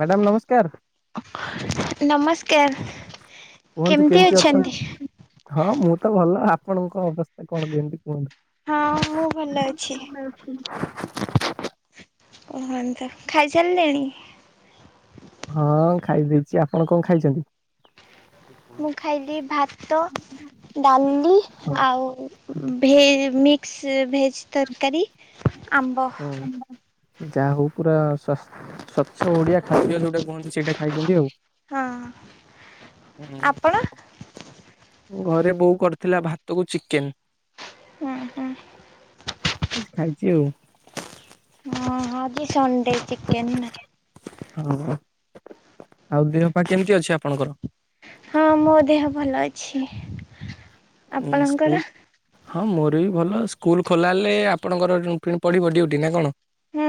Madam ନମସ୍କାର ନମସ୍କାର କେମିତି ଅଛନ୍ତି? ହଁ ମୁଁ ତ ଭଲ ଆପଣଙ୍କ ଅବସ୍ଥା କଣ କେତି ହଁ ମୁଁ ଭଲ ଅଛି [unintelligible] ଖାଇ ସାରିଲେଣି? ହଁ ଖାଇ ଦେଇଚି ଆପଣ କଣ ଖାଇଚନ୍ତି? ମୁଁ ଖାଇଲି ଭାତ ଡାଲି ଆଉ ଭେ ମିକ୍ସ ଭେଜ୍ ତରକାରୀ ଆମ୍ବ ହୁଁ। ଯାହା ହଉ ପୁରା ସ ସ୍ଵଚ୍ଛ ଓଡ଼ିଆ ଖାଦ୍ୟ ଯୋଉଟା କୁହନ୍ତି ସେଇଟା ଖାଇଚନ୍ତି ଆଉ ହଁ ଆପଣ? ଘରେ ବୋଉ କରିଥିଲା ଭାତକୁ ଚିକେନ ହୁଁ ହୁଁ। ଖାଇଚି ଆଉ ହଁ ହଁ ଆଜି ସ ଡେ ଚିକେନ୍ ନା ହଁ। ଆଉ ଦେହ ପା କେମିତି ଅଛି? ଆପଣଙ୍କର ହଁ ମୋ ଦେହ ଭଲ ଅ ଛି। ସ୍କୁଲ? ଆପଣଙ୍କର ହଁ ମୋର ବି ଭଲ ସ୍କୁଲ ଖୋଲା ହେଲେ ଆପଣଙ୍କର ପୁଣି ପଡ଼ିବ ଡିଉଟି ନା କଣ? ହୁଁ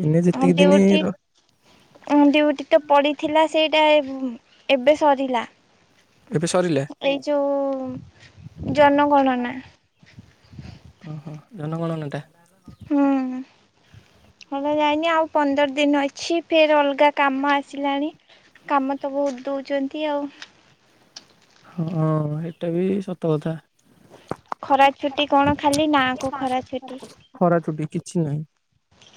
ଏଇନେ ହଁ ଯେତିକି ଦିନ ଡ୍ୟୁଟି ଡ୍ୟୁଟି ତ ପଡ଼ିଥିଲା ସେଇ ଟା ଏ ଏବେ ସରିଲା ଏବେ ସରିଲା ଏଇ ଯୋଉ ଜନଗଣନା। ହଁ ହଁ ଜନ ଗଣନାଟା। ହୁଁ ହେଲା ଯାଇନି ଆଉ ପନ୍ଦର ଦିନ ଅଛି ଫେର ଅଲଗା କାମ ଆସିଲାଣି କାମ ତ ବହୁତ ଦଉଚନ୍ତି ଆଉ। ହଁ ଏଇଟା ବି ସତ କଥା। ଖରା ଛୁଟି କଣ? ଖାଲି ନାଁକୁ ଖରା ଛୁଟି। ଖରା ଛୁଟି କିଛି ନାହିଁ।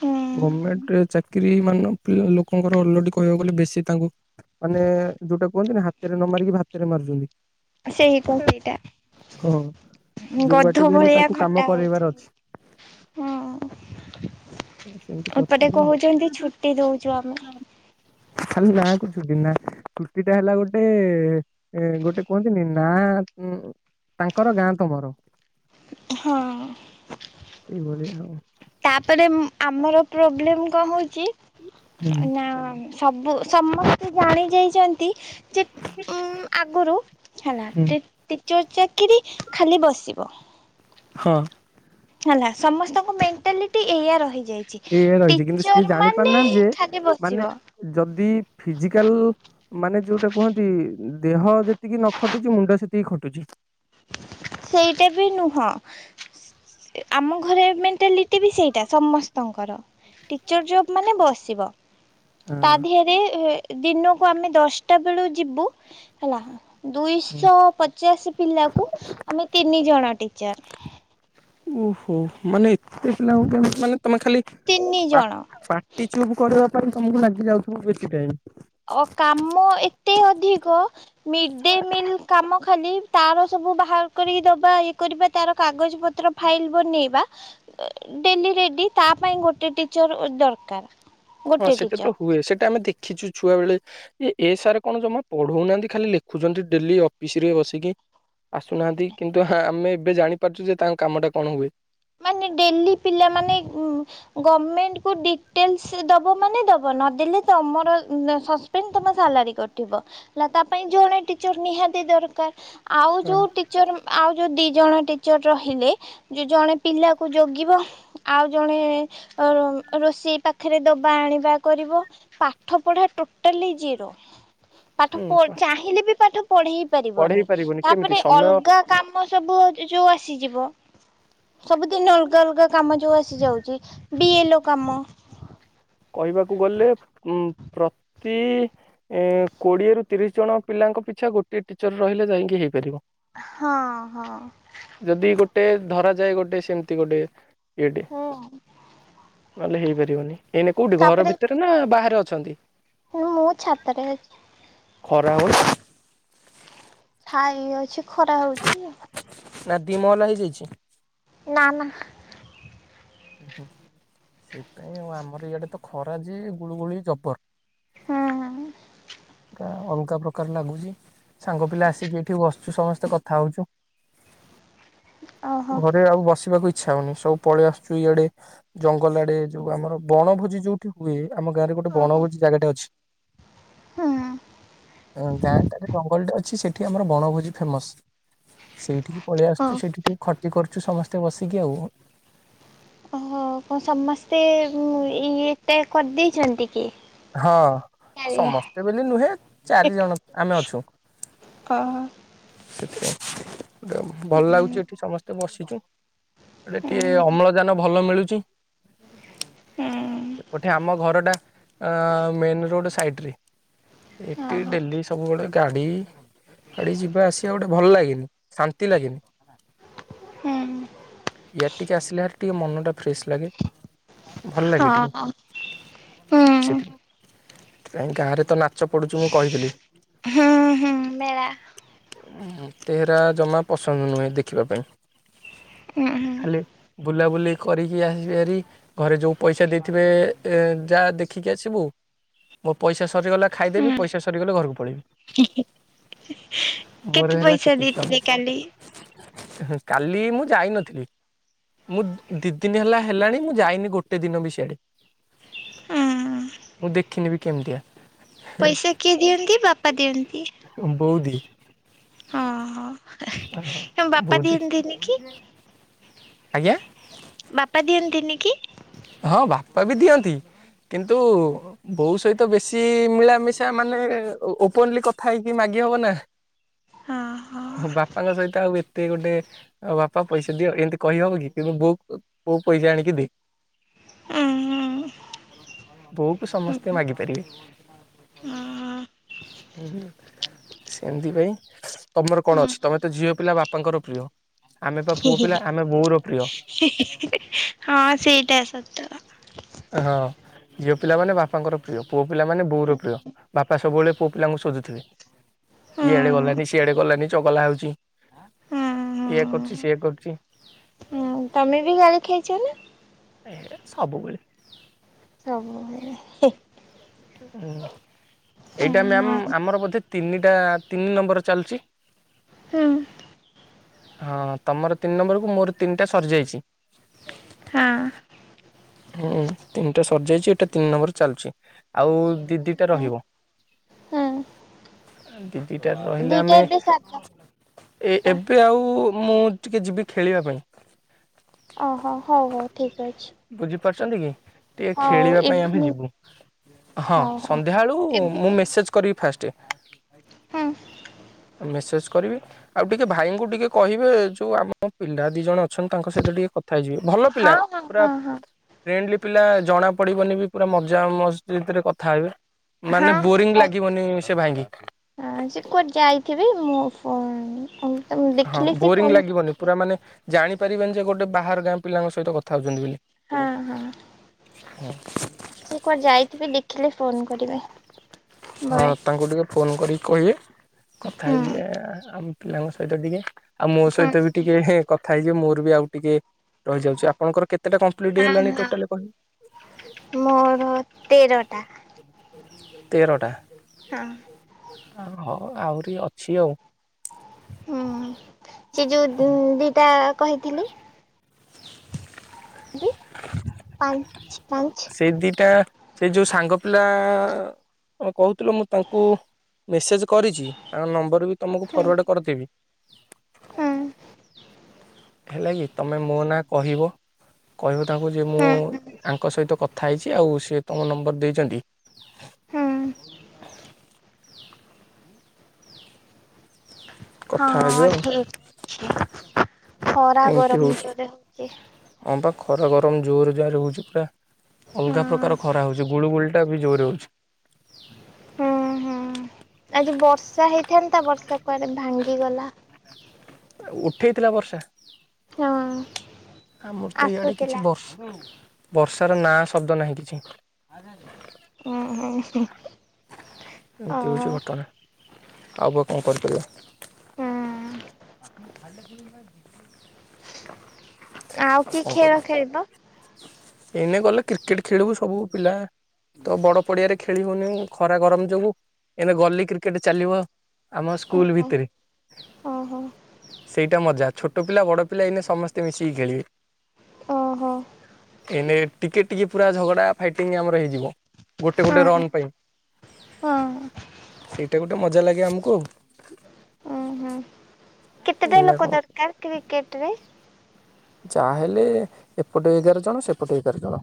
ହୁଁ ଗର୍ମେଟ୍ ଚା କ୍ରି ମାନ ପ୍ରିୟ ଲୋକଙ୍କର ଅଲରେଡି କହିବାକୁ ଗଲେ ବେଶୀ ତାଙ୍କୁ ମାନେ ଯୋଉଟା କୁହନ୍ତି ନି ହାତରେ ନ ମାରିକି ଭାତରେ ମାରୁଚନ୍ତି। ସେଇ କ [unintelligible] ଟା ହଁ ଯୋଉ ଗଧ ବାଟକି ହେଲେ ଭଳିଆ ତାଙ୍କୁ କାମ ଖଟା। କରେଇବାର ଉଚି ଅଛି। ସେମିତି ହଁ ଏପଟେ କରୁଛନ୍ତି ଆଉ କହୁଚନ୍ତି ଛୁଟି ଦଉଚୁ ଆମେ। ଖାଲି ନା କୁ ଛୁଟି ନା ଛୁଟି ଟା ହେଲା ଗୋଟେ ଗୋଟେ କୁହନ୍ତିନି ନା ତାଙ୍କର ଗାଁ ତମର। ହଁ। ସେଇ ଭାଳିଆ ଆଉ। ତାପରେ ଆମର ପ୍ରୋବ୍ଲେମ କଣ ହଉ ଚି ହୁଁ ନା ସବୁ ସମ ସେ ଜାଣି ଯାଇଚନ୍ତି ଯେ ଉଁ ଆଗୁରୁ ହେଲା ହୁଁ ତି ତି ଚୋଉ ଚାକିରି ଖାଲି ବସିବ। ହଁ। ହେଲା ସମସ୍ତଙ୍କ ମେଣ୍ଟାଲିଟି ଏଇଆ ରହି ଏଇଆ ରହିଚି କିନ୍ତୁ ସିଏ ଜାଣିପାରୁନାହାନ୍ତି ଯେ ଖାଲି ମାନେ ବସିବ ଯଦି ଫିଜିକାଲ ମାନେ ଯୋଉଟା କୁହନ୍ତି ଦେହ ଯେତିକି ନ ଖଟୁଚି ମୁଣ୍ଡ ସେତିକି ଖଟୁଚି। ସେଇଟା ବି ନୁହଁ। ଆମ ଘରେ ମେଣ୍ଟାଲିଟି ବି ସେଇଟା ସମସ୍ତଙ୍କର ଟିଚର୍ ଜବ୍ ମାନେ ବସିବ ତା ଦିହରେ ଏ ଦିନକୁ ଆମେ ଦଶଟା ବେଳୁ ଯିବୁ ହେଲା ଦୁଇଶହ ପଚାଶ ପିଲାକୁ ଆମେ ତିନି ଜଣ ଟିଚର୍। ଓହୋ ମାନେ ତେ ପିଲାଙ୍କୁ କେମିତି ମାନେ ତମେ ଖାଲି ତିନି ପା ଜଣ ପାଟି ଚୁପ୍ କରିବା କରି ତମୁକୁ ଲାଗି ଯାଉଥୁବ ବେଶୀ ଟାଇମ୍। ଅ କାମ ଏ ଏତେ ଅଧିକ ମିଡେ ମିଲ କାମ ଖାଲି ତାର ସବୁ ବାହାର କରିକି ଦବା ଏ କରିବା ତାର କାଗଜ ପତ୍ର ଫାଇଲ ବନେଇବା ଡେଲି ରେଡି ତା ପାଇଁ ଗୋଟେ ଟିଚର ଦରକାର। ହଁ ଗୋଟେ ସେଟା ଟିଚର ତ ହୁଏ। ସେଟା ଆମେ ଦେଖିଚୁ ଛୁଆ ବେଳେ ଏ ଏ ସାର୍ କଣ ଜମା ପଢ଼ଉନାହାନ୍ତି ଖାଲି ଲେଖୁଚନ୍ତି ଡେଲି ଅପିସ୍ ରେ ବସିକି ଆସୁନାହାନ୍ତି କିନ୍ତୁ ଆ ଆମେ ଏବେ ଜାଣିପାରୁଚୁ ଯେ ତାଙ୍କ କାମଟା କଣ ହୁଏ। ମାନେ ଡେଲି ପିଲାମାନେ ଉଁ ଗୋମେଣ୍ଟ୍ କୁ ଡିଟେଲ୍ସ ଦବ ମାନେ ଦବ। ନଦେଲେ ତମର ଅ ସସପେଣ୍ଡ ତମର ସାଲାରି କଟିବ ଲା ତା ପାଇଁ ଜଣେ ଟିଚର ନିହାତି ଦରକାର। ଆଉ ହଁ। ଯୋଉ ଟିଚର ଆଉ ଯୋଉ ଦି ଜଣ ଟିଚର ରହିଲେ ଯୋଉ ଜଣେ ପିଲାକୁ ଜଗିବ। ଆଉ ଜଣେ ଅ ରୋଷେଇ ପାଖରେ ଡବା ଆଣିବା କରିବ। ପାଠ ପଢା ଟୋଟାଲି ଜିରୋ। ପାଠ ହୁଁ ପ ଚାହିଁଲେ ବି ପାଠ ପଢେଇ ପାରିବନି। ପଢେଇ ପାରିବୁନି କେମିତି ତାପରେ ସମୟ ଅଲଗା କାମ ସବୁ ଅ ଯୋଉ ଆସିଯିବ ସବୁଦିନି ଅଲଗା ଅଲଗା କାମ ଯୋଉ ଆସିଯାଉଚି ବି ଏଲ୍ ଓ କାମ କହିବାକୁ ଗଲେ ଉଁ ପ୍ରତି ଇ କୋଡ଼ିଏରୁ ତିରିଶ ଜଣ ପିଲାଙ୍କ ପିଛା ଗୋଟିଏ ଟିଚର୍ ରହିଲେ ଯାଇଁକି ହେଇପାରିବ। ହଁ ହଁ। ଟେ ଧରାଯାଏ ଗୋଟେ ସେମତି ଗୋଟେ ଏଡ଼ି ହୁଁ ନଲେ ହୋଇଇପାରିବନି। ଏଇନେ କୋଉଠି ଘର ଭିତରେ ନାଁ ବାହାରେ ଅ ଛନ୍ତି ନୁ ମୁଁ ଛାତରେ ଅଛି। ଖରା ହଉନି ଛାଇ ଅଛି ଖରା ହୋଉଚି। ନାଁ ଦି ମହଲା ହେଇଯାଇଚି। ନାଁ ନାଁ। ହୁଁ ସେଇଥିପାଇଁ ଆଉ ଆମର ଇଆଉଡେ ତ ଖରା ଯେ ଗୁଳୁଗୁଳି ଜବର। ହୁଁ। ଆ, ଅଲଗା ପ୍ରକାର ଲାଗୁଚି, ସାଙ୍ଗ ପିଲା ଆସିକି ଏଇଠି ବସୁଛୁ ସମସ୍ତେ କଥା ହଉଛୁ। ଓହୋ ଘରେ ଆଉ ବସିବାକୁ ଇ ଚ୍ଛା ହଉନି ସବୁ ପଳେଇ ଆସୁଚୁ ଇଆଡେ, ଜଙ୍ଗଲ ଆଡେ ଯୋଉ ଆମର ବଣଭୋଜି ଯୋଉଠି ହୁଏ। ଆମ ଗାଁରେ ଗୋଟେ ଓହୋ ବଣଭୋଜି ଜାଗାଟା ଅଛି। ହୁଁ ଅଁ, ଗାଁ ଟାରେ ଜଙ୍ଗଲଟେ ଅଛି ସେ ଏଠି ଆମର ବଣଭୋଜି ଫେମସ୍। ସେଇଠିକି ପଳେଇ ହଁ। ଆସୁଛୁ, ସେଇଠି ଟିକେ ଅଛୁ ସମସ୍ତେ ବସିକି ଆଉ। ଓହୋ କଣ ସମସ୍ତେ ଉଁ, ଏଇ ଏଇଟା କରିଦେଇଛନ୍ତି କି? ହଁ କାଳିଆ ସମସ୍ତେ ବୋଲି ନୁହେଁ ଚାରି ଜଣ ଆମେ ଅଛୁ ଓହୋ ସେଥି ପାଇଁ ଗୋଟେ ଭଲ ହୁଁ ଲାଗୁଚି ଏଠି ସମସ୍ତେ ବସି ସେଟି ଏଠି ଟିକେ ହୁଁ ଅମ୍ଳଜାନ ଭଲ ମିଳୁ ଚି ହୁଁ ସେପଟେ ଆମ ଘର ଟା ଅଁ, ମେନ୍ ରୋଡ୍ ସାଇଡ୍ ରେ। ଏଟି ଓହୋ ଡେଲି ସବୁବେଳେ ଗାଡି ଗାଡି ଯିବା ଆସିବା ଗୋଟେ ଭଲ ଲାଗେନି। ଶାନ୍ତି ଲାଗେନି ହୁଁ ଏଟି କେ ଆସିଲେନା ଟିକେ ମନ ଟା ଫ୍ରେଶ୍ ଲାଗେ। ଭଲ ଲାଗେ ଟିକେ। ହଁ ହୁଁ ସେଠିରେ କାଇଁ ଗାଁରେ ତ ନା ଛ ପଢୁଛୁ ମୁଁ କହିଥିଲି। ହୁଁ ହୁଁ ମେଳା ଉଁ, ମୋତେ ହେରା ଜମା ପସନ୍ଦ ନୁହେଁ ଦେଖିବା ପାଇଁ। ଉଁ, ହଁ। ଖାଲି ବୁଲାବୁଲି କରିକି ଆସିବି ଭାରି, ଘରେ ଯୋଉ ପଇସା ଦେଇଥିବେ ଏ-ଯା ଦେ ଖିକି ଆସିବୁ ମୋ ପଇସା ସ ସରିଗଲା ଖାଇଦେବି ପଇସା ସରିଗଲେ ଘରକୁ ପଳେଇବି ମୋର କେତେ ହେଲା ପଇସା ସେତିକି କାମ। ଦେଇଥିଲେ କାଲି? କାଲି ମୁଁ ଯାଇନଥିଲି ମୁଁ ଦି ଦିନ ହେଲା ହେଲାଣି ମୁଁ ଯାଇନି ଗୋଟେ ଦିନ ବି ସିଆଡେ। ହୁଁ ମୁଁ ଦେଖିନି ବି କେମିତିଆ। ପଇସା କିଏ ଦିଅନ୍ତି? ବାପା ଦିଅନ୍ତି। ବଉଦି ହଁ, ହଁ ତୋମ ବାପା ବଉଦି ଦିଅନ୍ତିନି କି? ଆଜ୍ଞା। ବାପା ଦିଅନ୍ତିନି କି? ହଁ ବାପା ବି ଦିଅନ୍ତି। କିନ୍ତୁ ବୋଉ ସହିତ ବେଶୀ ମିଳାମିଶା ମାନେ ଓପନଲି କଥା ହେଇକି ମାଗି ହବ ନା [inaudible] ହଁ ହଁ ତି ଗୋଟେ ବାପା ପଇସା ଦିଅ ଏମିତି କହିହବ କି କିୁ ବୋଉ ବୋଉ ପଇସା ଆଣିକି ଦେ ଉଁ ବୋଉକୁ ହୁଁ ସମସ୍ତେ ମାଗିପାରିବେ। ସେମଥି ପାଇଁ ତମର କଣ ହୁଁ ଅଛି ତମେ ତ ଝିଅ ପିଲା ବାପାଙ୍କର ପ୍ରିୟ ଆମେ ବା ପୁଅ ପିଲା ଆମେ ବୋଉର ପ୍ରିୟ ହଁ ସେଇଟା ସତ ହଁ ଝିଅ ପିଲାମାନେେ ବାପାଙ୍କର ପ୍ରିୟ ପୁଅ ପିଲା ମାନେ ବୋଉର ପ୍ରିୟ ବାପା ସବୁବେଳେ ପୁଅ ପିଲାଙ୍କୁ ଶୋଧୁଥିବେ। ହୁଁ ଇଏ ଆଡେ ଗଲାନି ସିଆଡେ ଗଲାନି ଚଗଲା ହଉଛି ହୁଁ ଇଏ କରୁଛି ସିଏ କରୁଛି। ହୁଁ ତମେ ବି ଗାଲି ଖାଇଛ ନା। ଏ ସବୁବେଳେ ହବ। ହୁଁ ହୁଁ ହଁ। ଏଇଟାମ ଆମର ବୋଧେ ତିନିଟା ତିନି ନମ୍ବର ଚାଲିଛି। ହଁ। ହଁ ତମର ତିନି ନମ୍ବର କୁ ମୋର ତିନିଟା ସରିଯାଇଛି। ହୁଁ ତିନଟା ସଯାଇଛି ଏଇଟା ତିନି ନମ୍ବର ଚାଲିଛି। ଆଉ ଦିଦିଟା ରହିବ ଦିଦିଟା ରହିଲେ ଦିଟା ଆମେ ଏବେ ସାରିଦବା ଏ ଏବେ ଆଉ ମୁଁ ଟିକେ ଯିବି ଖେଳିବା ପାଇଁ। ଓହୋ ହଉ ହଉ ଠିକ ଅଛି। କରିଛନ୍ତି କି ଟିକେ ହଉ ଖେଳିବା ପାଇଁ ଆମେ ଇଭିନିଂ ଯିବୁ। ହଁ ହଉ ହଉ ସନ୍ଧ୍ୟା ବଳୁ ମୁଁ ଇଭିନିଂ ମେସେଜ କରିବ। ଫାଷ୍ଟ୍ ହଁ ମେ ସ କରିବେ ଆଉ ଟିକେ ଭାଇଙ୍କୁ ଟିକେ କହିବେ ଯୋଉ ଆମ ପିଲା ଦି ଜଣ ଅଛନ୍ତି ତାଙ୍କ ସହିତ ଟିକେଥା ବ ଭଲ ପିଲା ହଁ ହଁ ପୁର ହଁ ହଁ ପିଲା ଜଣା ପଡ଼ିବନି ବି ପୁରା ମଜା ମ। ଭିତରେ କଥା ହେଇବେ। ହଁ ହଁ ହ ସେ କୁ ଯାଇଥିବି ମୁଁ ପରେ। ହଁ ବୋରିଂ ଲାଗିବନି ପୁରା ମାନେ ଜାଣି ପାରିବନି ଯେ ଗୋଟେ ବାହାର ଗାଁ ପିଲାଙ୍କ ସହିତ କଥା ହେଉ ବୋଲି। ହଁ ହଁ ସେ କୁଆଡ ଯାଇଥିବେ ଦେଖ। ବଳେ ହଁ ତାଙ୍କୁ ଟିକେ ଫୋନ କରିକି କହିବେ କଥା ହୁଁ ହୁଁ। ହେଇଯିବ ଆମ ପିଲାଙ୍କ ସହିତ ଟିକେ। ଆଉ ମୋ ସହିତ ବି ହଁ ଟିକେ କଥା ହେଇଯ ମୋ ଆଉ ଟିକେ ରହିଯାଉଛି ଆପଣଙ୍କର କେତେ ଟା କ ପ୍ଲିଡ଼ି ହେଲାଣି ହଁ ଟୋଟାଲି କ [inaudible] ମୋର ତେରଟା। ତେରଟା। ହଁ ହଉ ଆହୁରି ଅଛି ଆଉ। ହୁଁ ସେ ଯୋଉ ଦିଟା। କହିଥିଲି। ପାଞ୍ଚ ପାଞ୍ଚ। ସେ ଯେଉ ସାଙ୍ଗ ପିଲା କଣ କହୁଥିଲ ମୁଁ ତାଙ୍କୁ ମେସେଜ କରିଛି ତାଙ୍କ ନମ୍ବର ବି। ତମକୁ ହୁଁ ଫରୱାର୍ଡ କରିଦେବି। [inaudible] ହୁଁ। ହେ ଲାଗି ତମେ। [inaudible] ହୁଁ ହୁଁ ହଁ କଥା ହେବେ ଆଉ ଅଠର। ଖରା ଏମିତି ଗରମ ହଉଛି ଜୋରେ ହଉଛି। ହଁ ବା ଖରା ଗରମ ଜୋର ଜୋରେ ହେଉଛି ପୁରା ଅଲଗା ହଁ ପ୍ରକାର ଖରା ହେଉଛି ଗୁଳୁ ଗୁଳିଟା ବି ଜୋର ହେଉଛି। [inaudible] ହୁଁ ହୁଁ ଆଜି ବର୍ଷା ହେଇଥାନ୍ତା ବର୍ଷା କୁଆଡେ ଭାଙ୍ଗିଗଲା। ଉଠେଇଥିଲା ବର୍ଷା। ହଁ। ଆମର ତ ଇଆଡ଼େ ଆସୁଥିଲା। କିଛି ବର୍ଷ ଆଉ। ବର୍ଷାର ନାଁ ଶବ୍ଦ ନାହିଁ କିଛି। ହୁଁ ହୁଁ [inaudible] ହ ଓ। ଏମିତି ହଉଛି ଘଟଣା ଆଉ ଅବା କଣ କରିପାରିବା। ହୁଁ [inaudible] ଆଉ କିଏ ଖେଳ ଖେଳିବ। ଏନେ ଗଲେ କ୍ରିକେଟ ଖେଳିବୁ ସବୁ ପିଲା ତ ବଡ଼ ପଡ଼ିଆରେ ଖେଳିବୁନି ଖରା ଗରମ ଯୋଗୁଁ ଏନେ ଗଲି କ୍ରିକେଟ ଚାଲିବ ଆମ ସ୍କୁଲ ଓହୋ ଭିତରେ। ଓହୋ। ସେଇଟା ମଜା ଛୋଟ ପିଲା ବଡ଼ ପିଲା ଏଇନେ ସମସ୍ତେ ମିଶିକି ଖେଳିବେ। ଓହୋ। ଏନେ ଟିକେ ଟିକେ ପୁରା ଝଗଡ଼ା ଫାଇଟିଙ୍ଗ ଆମର ହେଇଯିବ ଗୋଟେ ହଁ ଗୋଟେ ରନ୍ ହଁ। ପାଇଁ ସେଇଟା ଗୋଟେ ମଜା ଲାଗେ ଆମକୁ ଆଉ। କେତେ ନା ଲୋକ କଣ ଦରକାର କ୍ରିକେଟ ରେ। ଯାହାହେଲେ ଏପଟେ ଏଗାର ଜଣ ସେପଟେ ଏଗାର ଜଣ।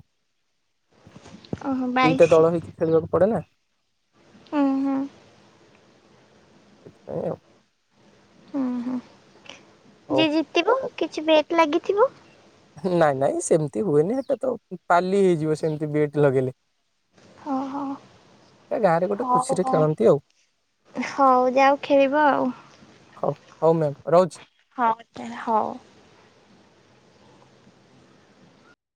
ଓହୋ ଦିଟା ବାଇଶି ଦଳ ହେଇକି ଖେଳିବାକୁ ପଡେ ନା। ଉଁ ହୁଁ ସେଥିପାଇ ଆଉ। [inaudible] ଉଁ ହୁଁ ଯିଏ ଜିତିବ ହଉ। କିଛି ବି ଲାଗିଥିବ। ନାଇଁ ନାଇଁ ସେମିତି ହୁଏନି ସେଟା ତ ପାଲି ହେଇଯିବ ସେମିତି ବିଏଟ ଲଗେଇଲେ। ଓହୋ ଗୋଟେ ହଉ ଖୁସିରେ ଖେଳନ୍ତି ଆଉ। ହଉ ହଉ ଯାଉ ଖେଳିବ ଆଉ। ହଉ ହଉ ମ୍ୟାମ୍ ରହୁଛି। ହଉ ହଉ।